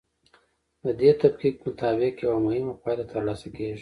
د دې تفکیک مطابق یوه مهمه پایله ترلاسه کیږي.